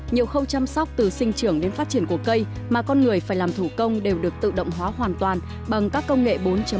nhiều khâu chăm sóc từ sinh trưởng đến phát triển của cây mà con người phải làm thủ công đều được tự động hóa hoàn toàn bằng các công nghệ bốn